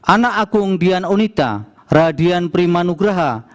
anak agung dian onita radian prima nugraha